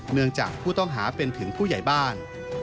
เนื่องจากผู้ต้องหาเป็นถึงผู้ใหญ่บ้าน